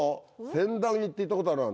千駄木って行ったことある？